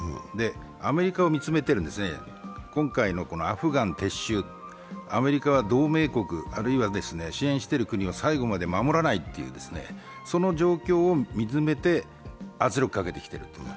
アメリカを見つめて今回のアフガン撤収、アメリカは同盟国、支援している国を最後まで守らないという状況をみつめて圧力をかけている。